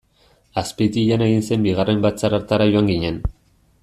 Azpeitian egin zen bigarren batzar hartara joan ginen.